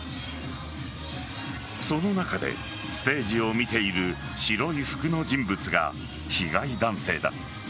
その中で、ステージを見ている白い服の人物が被害男性だ。